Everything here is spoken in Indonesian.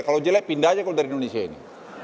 kalau jelek pindah aja kalau dari indonesia ini